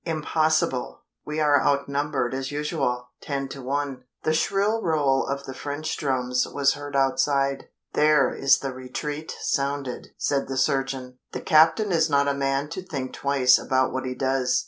"Impossible! We are outnumbered as usual ten to one." The shrill roll of the French drums was heard outside. "There is the retreat sounded!" said the surgeon. "The captain is not a man to think twice about what he does.